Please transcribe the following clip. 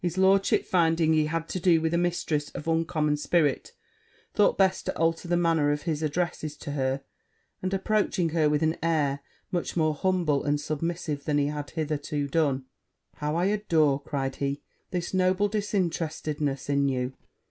Lord finding he had to do with a mistress of uncommon spirit, thought best to alter the manner of his addresses to her; and approaching her with an air much more humble and submissive than he had hitherto done, 'How I adore,' cried he, 'this noble disinterestedness in you!